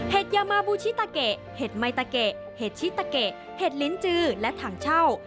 ยามาบูชิตาเกะเห็ดไมตะเกะเห็ดชิตาเกะเห็ดลิ้นจือและถังเช่า